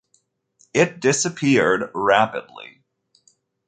It disappeared rapidly.